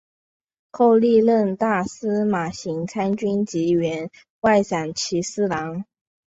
后历任大司马行参军及员外散骑侍郎。